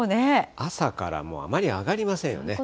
朝からもう、あまり上がりませんよね。